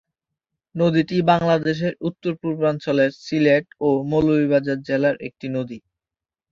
নদীটি বাংলাদেশের উত্তর-পূর্বাঞ্চলের সিলেট ও মৌলভীবাজার জেলার একটি নদী।